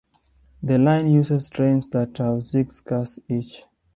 The line uses trains that have six cars each.